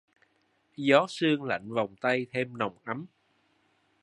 Gió sương lạnh vòng tay thêm nồng ấm